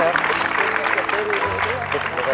ขอบคุณมากด้วยครับ